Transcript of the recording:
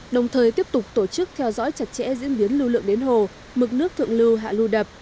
đồng thời tiếp tục tổ chức theo dõi chặt chẽ diễn biến lưu lượng đến hồ mực nước thượng lưu hạ lưu đập